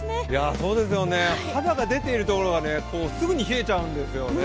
そうですよね、肌が出ているところはすぐ冷えちゃうんですよね。